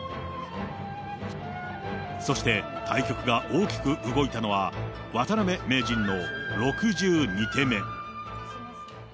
そして対局が大きく動いたのは、渡辺名人の６２手目。